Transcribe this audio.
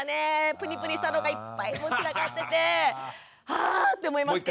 プニプニしたのがいっぱい散らかっててあっ！って思いますけど。